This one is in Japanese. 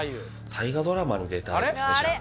大河ドラマに出たいですねじゃあ。